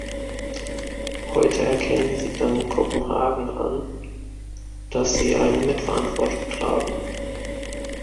Heute erkennen Sie dank Kopenhagen an, dass sie eine Mitverantwortung tragen.